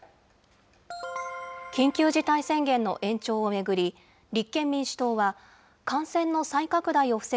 緊急事態宣言の延長を巡り、立憲民主党は、感染の再拡大を防